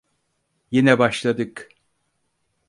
Yine başladık.